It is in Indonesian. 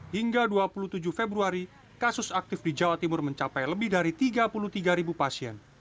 hingga dua puluh tujuh februari kasus aktif di jawa timur mencapai lebih dari tiga puluh tiga pasien